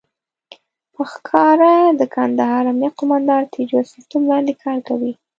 په ښکاره د کندهار امنيه قوماندان تر يو سيستم لاندې کار کوي.